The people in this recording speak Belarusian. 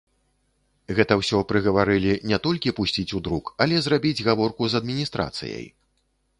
Гэта ўсё прыгаварылі не толькі пусціць у друк, але зрабіць гаворку з адміністрацыяй.